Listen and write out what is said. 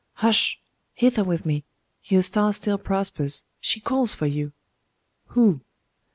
'Hush! Hither with me! Your star still prospers. She calls for you.' 'Who?